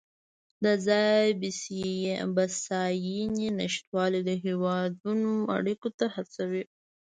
د ځان بسیاینې نشتوالی هیوادونه اړیکو ته هڅوي